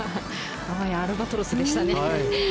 あわやアルバトロスでしたね。